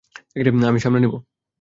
আমি সামলে নিব।